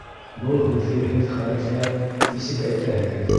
Был һүҙҙе һеҙ хәрефләп нисек әйтәһегеҙ?